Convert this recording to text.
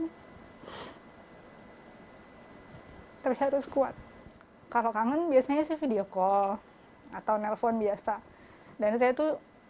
hai tersebut kuat kalau kangen biasanya sih video call atau nelpon biasa dan saya tuh